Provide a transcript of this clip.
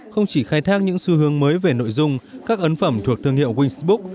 không chỉ khai thác những xu hướng mới về nội dung các ấn phẩm thuộc thương hiệu wingsbook